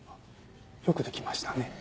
よくできましたね。